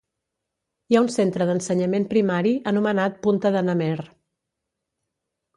Hi ha un centre d'ensenyament primari anomenat Punta de n'Amer.